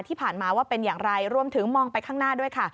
ที่ผ่านมาว่าเป็นอย่างไรรวมถึงมองไปข้างหน้าด้วยค่ะ